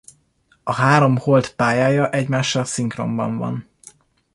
A három hold pályája egymással szinkronban van.